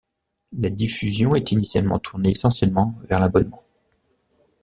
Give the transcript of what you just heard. La diffusion est initialement tournée essentiellement vers l'abonnement.